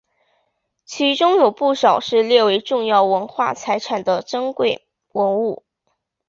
其中有不少是列为重要文化财产的珍贵文物。